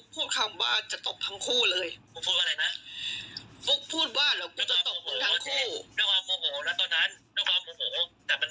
แต่สิ่งที่ฟุ๊กพูดในวันนั้น